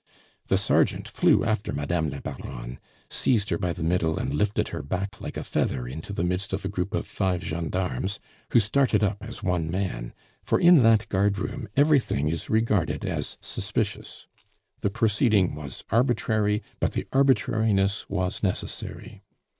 The sergeant flew after Madame la Baronne, seized her by the middle, and lifted her back like a feather into the midst of a group of five gendarmes, who started up as one man; for in that guardroom everything is regarded as suspicious. The proceeding was arbitrary, but the arbitrariness was necessary.